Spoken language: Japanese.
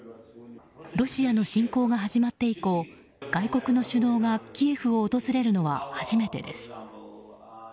ロシアの侵攻が始まって以降外国の首脳がキエフを訪れるのは初めてです。